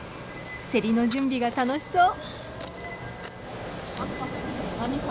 競りの準備が楽しそう。